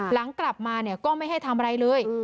หลังกลับมาเนี่ยก็ไม่ให้ทำอะไรเลย